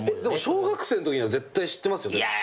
でも小学生のときには絶対知ってますよね。